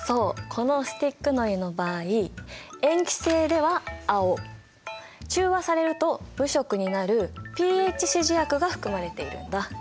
このスティックのりの場合塩基性では青中和されると無色になるｐＨ指示薬が含まれているんだ。